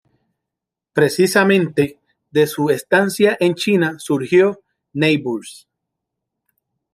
Precisamente, de su estancia en China surgió "Neighbours".